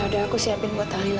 ya udah aku siapin buat tahanila